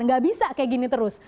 nggak bisa kayak gini terus